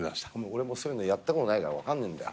俺もそういうのやったことないから分かんない。